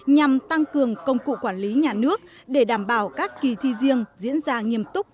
nhằm tăng cường công cụ quản lý nhà nước để đảm bảo các kỳ thi riêng diễn ra nghiêm túc